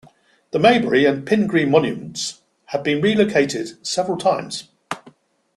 The Maybury and Pingree monuments have been relocated several times.